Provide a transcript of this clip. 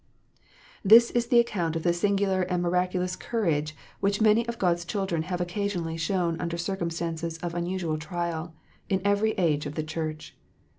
This is the account of the singular and miraculous courage which many of God s children have occasionally shown under circumstances of unusual trial, in every age of the Church.